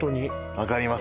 分かります